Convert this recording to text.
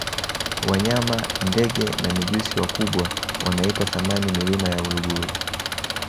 wanyama ndege na mijusi wakubwa wanaipa thamani milima ya uluguru